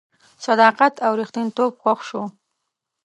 صداقت او ریښتینتوب خوښ شو.